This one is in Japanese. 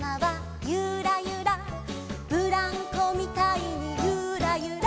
「ブランコみたいにユーラユラ」